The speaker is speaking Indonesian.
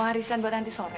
mau arisan buat nanti sore